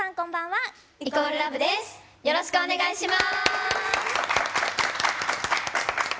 よろしくお願いします。